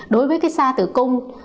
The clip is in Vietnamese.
đối với cái sa tử cung